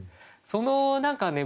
その何かね